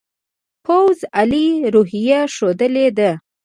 پوځ عالي روحیه ښودلې ده.